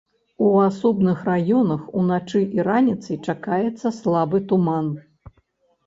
У асобных раёнах уначы і раніцай чакаецца слабы туман.